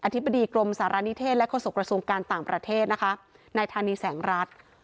ธิบดีกรมสารณิเทศและโฆษกระทรวงการต่างประเทศนะคะนายธานีแสงรัฐ